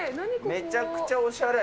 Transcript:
めちゃくちゃおしゃれ。